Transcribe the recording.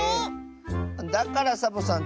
だからサボさん